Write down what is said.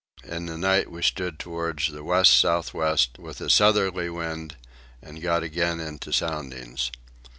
In the night we stood towards the west south west with a southerly wind and got again into soundings.